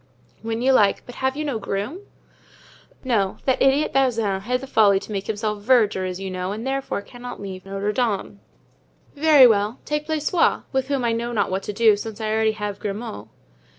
"When you like; but have you no groom?" "No; that idiot Bazin had the folly to make himself verger, as you know, and therefore cannot leave Notre Dame. "Very well, take Blaisois, with whom I know not what to do, since I already have Grimaud."